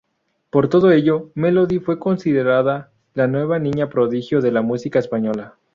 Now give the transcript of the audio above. Por todo ello, Melody fue considerada la nueva niña prodigio de la música española.